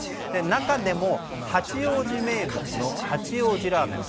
中でも、八王子名物の八王子ラーメン